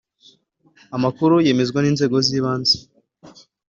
Amakuru yemezwa n’inzego z’ibanze